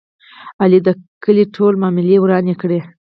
علي د کلي ټولې معاملې ورانې کړلې.